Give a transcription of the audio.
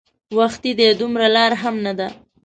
وختي دی دومره لار هم نه ده.